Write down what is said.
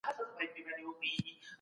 مځکه د انسان د اوسیدو ځای دی.